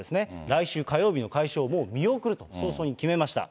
来週火曜日の開始をもう見送ると、早々に決めました。